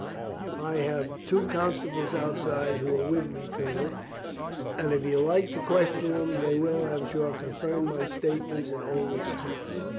"I have the two constables outside who were with me, Colonel, and if you like to question them, they will, I am sure, confirm my statement in all respects."